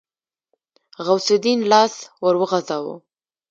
غوث الدين لاس ور وغځاوه.